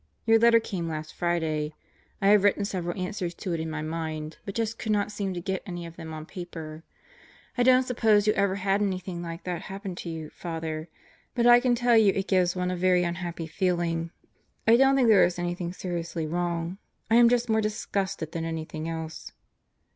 Your letter came last Friday. I have written several answers to it in my mind, but just could not seem to get any of them on paper. I don't suppose you ever had anything like that happen to you, Father; but I can tell you it gives one a very unhappy feeling. I don't think there is anything seriously wrong. I am just more disgusted than anything else.